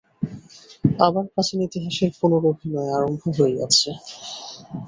আবার প্রাচীন ইতিহাসের পুনরভিনয় আরম্ভ হইয়াছে।